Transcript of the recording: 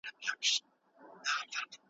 په راتلونکي کي د پیښو کیدل چا ته معلوم نه دي.